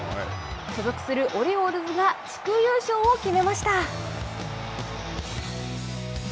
所属するオリオールズが地区優勝を決めました。